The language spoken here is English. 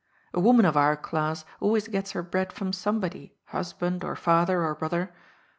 A woman of our class always gets her bread from somebody, husband or father or brother.